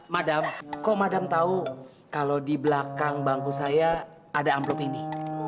madam kok madam tahu kalau di belakang bangku saya ada amplop ini